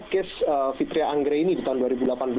kes fitria anggre ini di tahun dua ribu delapan belas